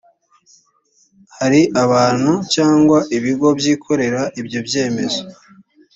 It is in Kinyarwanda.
hari bantu cyangwa ibigo byikorera ibyo byemezo